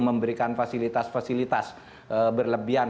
memberikan fasilitas fasilitas berlebihan